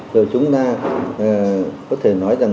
rồi chúng ta có thể nói rằng